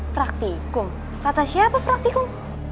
praktikum kata siapa praktikum